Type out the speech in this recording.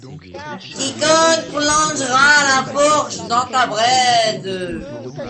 Quiconque plongera la fourche dans ta braise